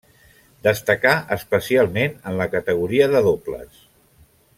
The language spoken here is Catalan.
Destacà especialment en la categoria de dobles.